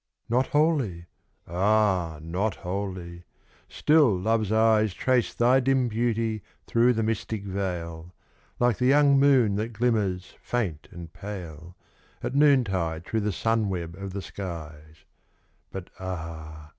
Not wholly ah! not wholly still Love's eyes Trace thy dim beauty through the mystic veil, Like the young moon that glimmers faint and pale, At noontide through the sun web of the skies; But ah!